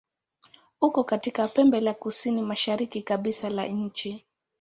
Uko katika pembe la kusini-mashariki kabisa la nchi.